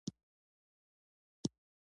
چې هیڅ سیاسي او ګوندي تړاو نه لري.